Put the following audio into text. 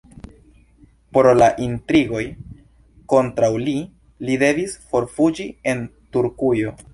Pro la intrigoj kontraŭ li, li devis forfuĝi el Turkujo.